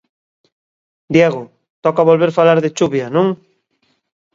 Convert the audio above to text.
Diego, toca volver falar de chuvia, non?